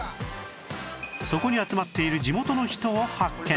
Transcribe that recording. そこに集まっている地元の人を発見